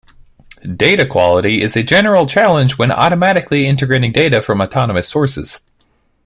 Data quality is a general challenge when automatically integrating data from autonomous sources.